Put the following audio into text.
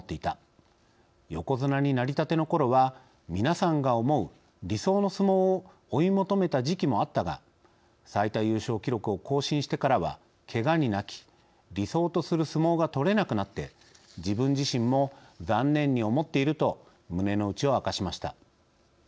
横綱になりたての頃は皆さんが思う理想の相撲を追い求めた時期もあったが最多優勝記録を更新してからはけがに泣き理想とする相撲がとれなくなって自分自身も残念に思っている」と胸のうちを明かしました。